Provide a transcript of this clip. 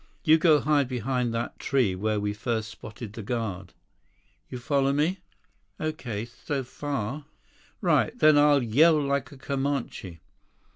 You go hide behind that tree where we first spotted the guard. You follow me?" "Okay so far." "Right. Then I'll yell like a Comanche.